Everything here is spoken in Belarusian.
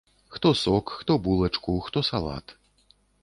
Хто сок, хто булачку, хто салат.